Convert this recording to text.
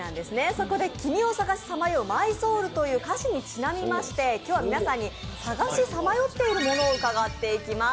そこで「君を探し彷徨うｍｙｓｏｕｌ」という歌詞にちなみまして、今日は皆さんに探し彷徨っているものを伺っていきます。